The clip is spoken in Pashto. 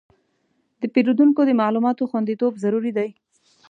د پیرودونکو د معلوماتو خوندیتوب ضروري دی.